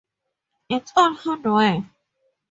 It's all hardware!